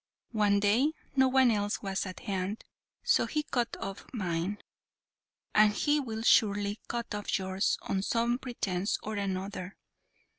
One day no one else was at hand, so he cut off mine, and he will surely cut off yours on some pretence or another.